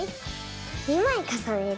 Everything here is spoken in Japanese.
２まいかさねる。